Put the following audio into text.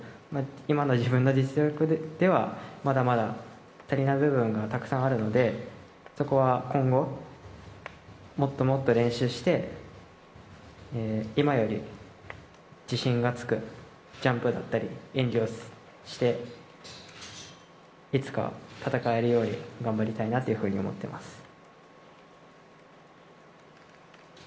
今の自分の実力では、まだまだ足りない部分はたくさんあるので、そこは今後、もっともっと練習して、今より自信がつくジャンプだったり、演技をして、いつか戦えるように頑張りたいなというふうに思ってます。